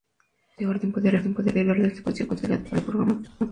Este orden puede diferir del orden secuencial considerado por el programador.